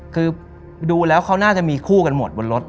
คือดูแล้วเขาน่าจะมีคู่กันหมดบนรถ